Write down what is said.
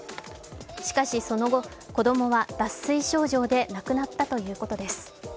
しかし、その後、子供は脱水症状で亡くなったということです。